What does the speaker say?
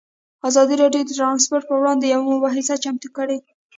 ازادي راډیو د ترانسپورټ پر وړاندې یوه مباحثه چمتو کړې.